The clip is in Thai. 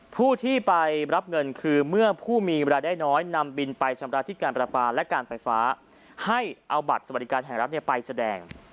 ผู้ที่ไปรับเงินคือเมื่อผู้มีเวลาได้น้อยนำบินไปชำระที่การประปาและการไฟฟ้าให้เอาบัตรสวัสดิการแห่งรัฐไปแสดง